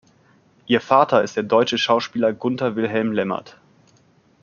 Ihr Vater ist der deutsche Schauspieler Gunther Wilhelm Lämmert.